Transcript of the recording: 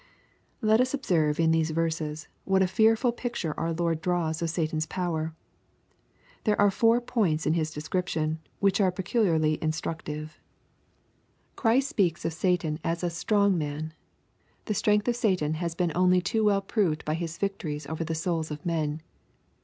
Let Us observe in these verses what a fearful picture our Lord draws of Satan's power. There are four points in His description, which are peculiarly instructive. LUKE, CHAP. XI. 23 Christ speaks of Satan as a "strong man." The st rength of Satan has been only too well proved by his victories over the souls of men.